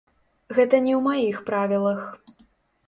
Гэта не ў маіх правілах.